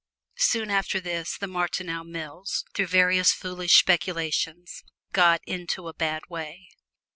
Soon after this the Martineau mills, through various foolish speculations, got into a bad way.